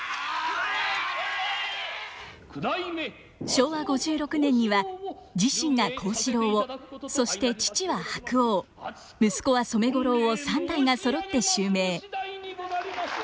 昭和５６年には自身が幸四郎をそして父は白鸚息子は染五郎を三代がそろって襲名。